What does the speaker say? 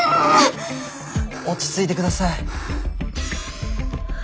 落ち着いて下さい。